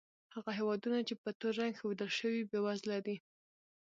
هغه هېوادونه چې په تور رنګ ښودل شوي، بېوزله دي.